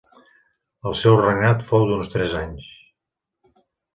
El seu regnat fou d'uns tres anys.